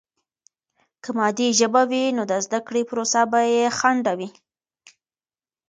که مادي ژبه وي، نو د زده کړې پروسه به بې خنډه وي.